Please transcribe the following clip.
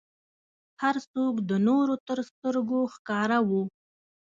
هر څوک د نورو تر سترګو ښکاره و.